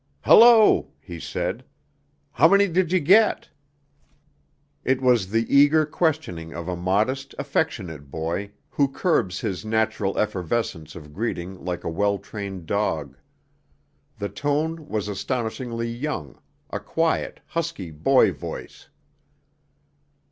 "Hullo," he said. "How many did you get?" It was the eager questioning of a modest, affectionate boy who curbs his natural effervescence of greeting like a well trained dog. The tone was astonishingly young, a quiet, husky boy voice.